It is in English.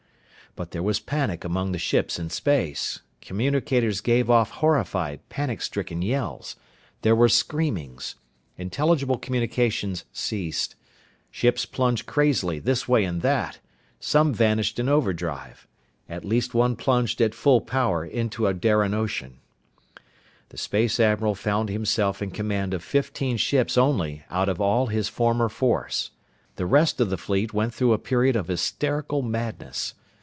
But there was panic among the ships in space. Communicators gave off horrified, panic stricken yells. There were screamings. Intelligible communications ceased. Ships plunged crazily this way and that. Some vanished in overdrive. At least one plunged at full power into a Darian ocean. The space admiral found himself in command of fifteen ships only out of all his former force. The rest of the fleet went through a period of hysterical madness.